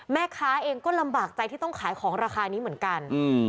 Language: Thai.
แม่ค้าเองก็ลำบากใจที่ต้องขายของราคานี้เหมือนกัน